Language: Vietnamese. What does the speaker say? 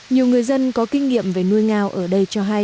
nhiều người dân có kinh nghiệm về nuôi ngao ở đây cho hay